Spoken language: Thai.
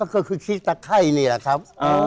ก็คือขี้ตะไข้นี่แหละครับ